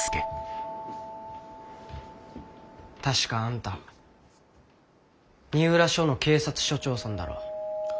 確かあんた二浦署の警察署長さんだろ？